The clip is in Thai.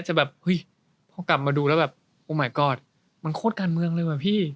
จะแบบหุ้ยเขากลับมาดูแล้วแบบมันโคตรการเมืองเลยหว่าพี่